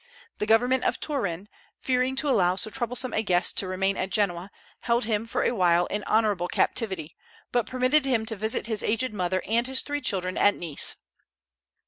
The government of Turin, fearing to allow so troublesome a guest to remain at Genoa, held him for a while in honorable captivity, but permitted him to visit his aged mother and his three children at Nice.